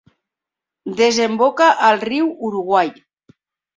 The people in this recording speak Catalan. Desemboca al Riu Uruguai.